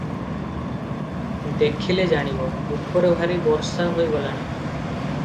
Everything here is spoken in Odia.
ଦେଖିଲେ ଜାଣିବ, ଉପରେ ଭାରି ବର୍ଷା ହୋଇଗଲାଣି ।